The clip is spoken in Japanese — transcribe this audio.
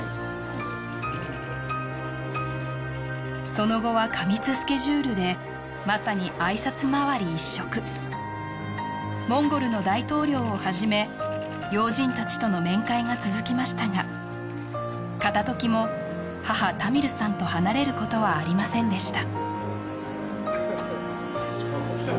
その後は過密スケジュールでまさに挨拶回り一色モンゴルの大統領をはじめ要人たちとの面会が続きましたが片時も母・タミルさんと離れることはありませんでした